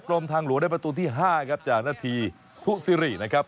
กรมทางหลวงได้ประตูที่๕ครับจากนาทีทุซิรินะครับ